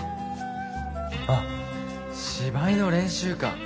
あっ芝居の練習か。